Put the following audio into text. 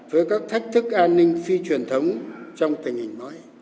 với các thách thức an ninh phi truyền thống trong tình hình mới